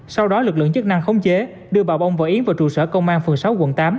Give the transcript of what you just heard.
sau đó lực lượng chức năng khống chế đưa bà bông và yến vào trụ sở công an phường sáu quận tám